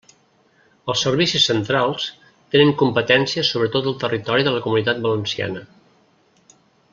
Els servicis centrals tenen competència sobretot el territori de la Comunitat Valenciana.